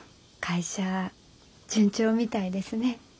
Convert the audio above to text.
会社順調みたいですね。